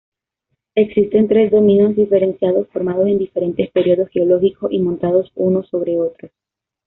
Existen tres dominios diferenciados formados en diferentes periodos geológicos y montados uno sobre otro.